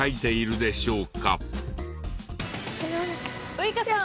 ウイカさん